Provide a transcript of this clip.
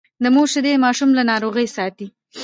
د مور شیدې ماشوم له ناروغیو ساتي۔